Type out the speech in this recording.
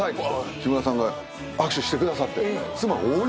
木村さんが握手してくださって妻大喜びです。